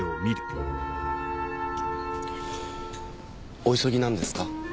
お急ぎなんですか？